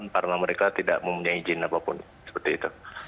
karena mereka tidak mempunyai izin apapun seperti itu